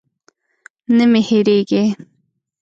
نه مې هېرېږي.